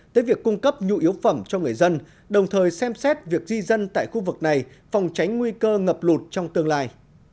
tới việc cung cấp nhu yếu phẩm cho người dân đồng thời xem xét việc di dân tại khu vực này phòng tránh nguy cơ ngập lụt trong tương lai